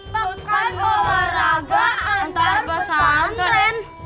bukan olahraga antar pesantren